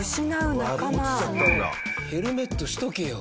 ヘルメットしておけよ。